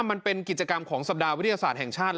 มันเป็นกิจกรรมของสัปดาห์วิทยาศาสตร์แห่งชาติ